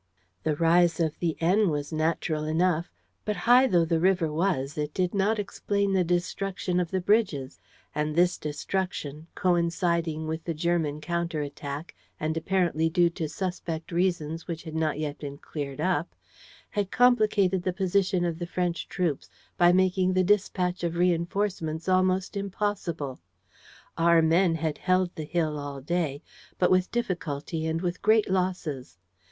The rise of the Aisne was natural enough; but, high though the river was, it did not explain the destruction of the bridges; and this destruction, coinciding with the German counter attack and apparently due to suspect reasons which had not yet been cleared up, had complicated the position of the French troops by making the dispatch of reinforcements almost impossible. Our men had held the hill all day, but with difficulty and with great losses.